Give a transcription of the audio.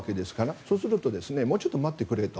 そうするともうちょっと待ってくれと。